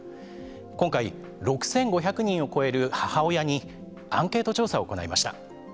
今回、６５００人を超える母親にアンケート調査を行いました。